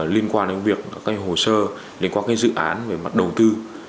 liên quan đến việc các hồ sơ liên quan dự án về mặt đầu tư